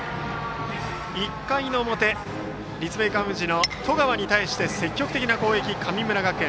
１回の表、立命館宇治の十川に対して積極的な攻撃、神村学園。